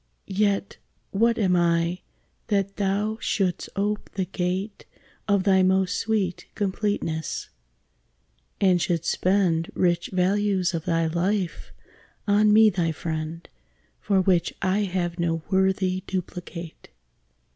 Yet what am I that thou shouldst ope the gate Of thy most sweet completeness; and should spend Rich values of thy life on me thy friend, For which I have no worthy duplicate!